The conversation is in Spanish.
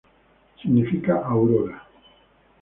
Significa "Aurora".